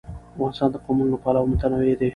افغانستان د قومونه له پلوه متنوع دی.